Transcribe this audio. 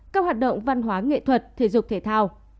các hoạt động văn hóa nghệ thuật thể dục thể thao